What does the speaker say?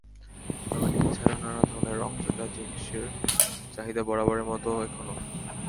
তবে নীল ছাড়াও নানা ধরনের রংচটা জিনসের চাহিদা বরাবরের মতো এখনো।